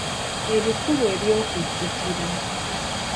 Ebikulu eby’okujjukira